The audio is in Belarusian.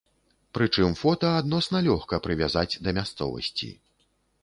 Прычым фота адносна лёгка прывязаць да мясцовасці.